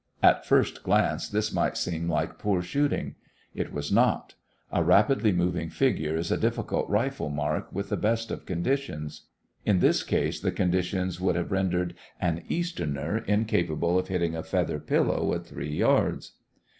At first glance this might seem like poor shooting. It was not. A rapidly moving figure is a difficult rifle mark with the best of conditions. In this case the conditions would have rendered an Easterner incapable of hitting a feather pillow at three yards.